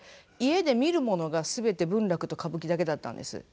家で見るものが全て文楽と歌舞伎だけだったんです。